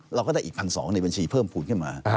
เราก็ได้อีก๑๒๐๐ในบัญชีเพิ่มภูมิขึ้นมา